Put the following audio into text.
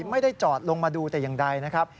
ไม่ได้จอดลงมาดูแต่อย่างใดนะครับ